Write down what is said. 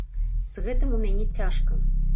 З гэтым у мяне цяжка.